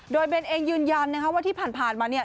โดยเบนเองยืนยันนะคะว่าที่ผ่านมาเนี่ย